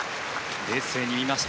冷静に見ました。